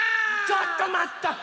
ちょっとまった！